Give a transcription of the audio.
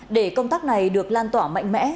để công tác này được lan tỏa mạnh mẽ